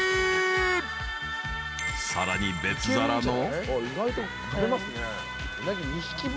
［さらに別皿の］